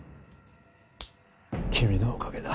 君のおかげだ。